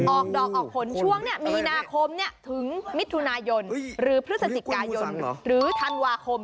ออกดอกออกผลช่วงมีนาคมถึงมิถุนายนหรือพฤศจิกายนหรือธันวาคม